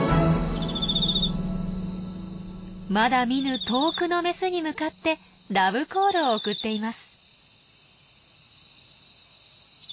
まだ見ぬ遠くのメスに向かってラブコールを送っています。